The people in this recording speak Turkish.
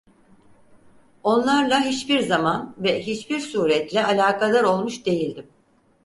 Onlarla hiçbir zaman ve hiçbir suretle alakadar olmuş değildim.